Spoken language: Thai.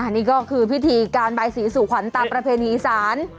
นี่ก็คือพิธีการใบสีสู่ขวัญตามประเพณีอีสาน